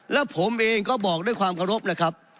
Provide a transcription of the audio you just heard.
แล้วผมเองก็บอกด้วยความเคารพนะครับ